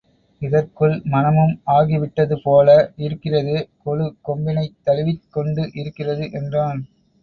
இதற்குள் மணமும் ஆகிவிட்டது போல இருக்கிறதே கொழு கொம்பினைத் தழுவிக் கொண்டு இருக்கிறது என்றான்.